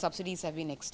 seperti yang anda lihat